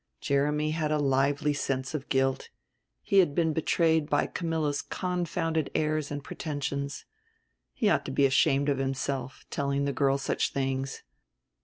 Jeremy had a lively sense of guilt; he had been betrayed by Camilla's confounded airs and pretensions. He ought to be ashamed of himself, telling the girl such things.